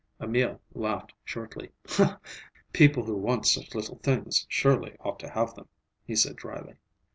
Emil laughed shortly. "People who want such little things surely ought to have them," he said dryly.